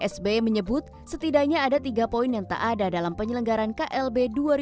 sbi menyebut setidaknya ada tiga poin yang tak ada dalam penyelenggaran klb dua ribu dua puluh